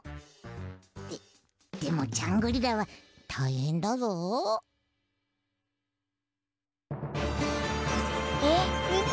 ででもジャングリラはたいへんだぞ。あっみて！